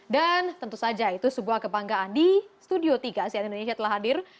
tentu saja itu sebuah kebanggaan di studio tiga sian indonesia telah hadir